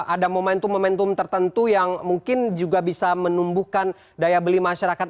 ada momentum momentum tertentu yang mungkin juga bisa menumbuhkan daya beli masyarakat